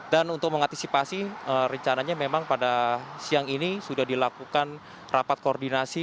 dan untuk mengantisipasi rencananya memang pada siang ini sudah dilakukan rapat koordinasi